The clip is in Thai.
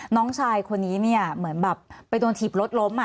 น้องชายคนนี้เนี่ยเหมือนแบบไปโดนถีบรถล้ม